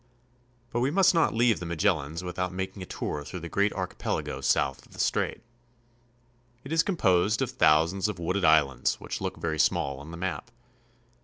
But we must not leave the Magellans without making a tour through the great archipelago south of the strait. It is composed of thousands of wooded islands which look AT THE END OF THE CONTINENT. 163 very small on the map.